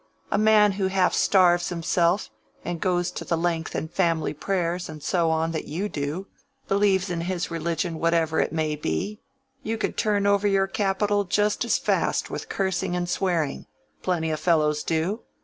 A man who half starves himself, and goes the length in family prayers, and so on, that you do, believes in his religion whatever it may be: you could turn over your capital just as fast with cursing and swearing:—plenty of fellows do.